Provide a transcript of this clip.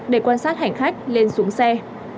để quan sát hành khách lên xuống xe